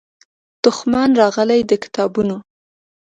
دښمن راغلی د کتابونو